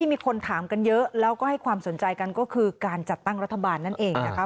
มีคนถามกันเยอะแล้วก็ให้ความสนใจกันก็คือการจัดตั้งรัฐบาลนั่นเองนะคะ